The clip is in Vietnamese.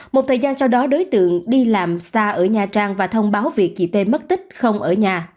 một thời gian sau đó đối tượng đi làm xa ở nha trang và thông báo việc chị tê mất tích không ở nhà